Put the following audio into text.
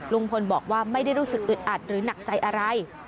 ลุงพลบอกว่าไม่ได้รู้สึกอึดอัดหรือหนักใจอะไร